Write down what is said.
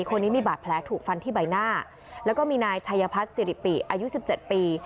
คนนี้มีบาดแผลถูกฟันที่ใบหน้าแล้วก็มีนายชัยพัฒน์สิริปิอายุ๑๗ปี